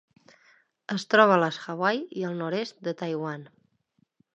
Es troba a les Hawaii i el nord-est de Taiwan.